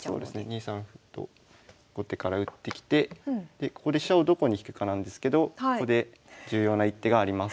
２三歩と後手から打ってきてでここで飛車をどこに引くかなんですけどここで重要な一手があります。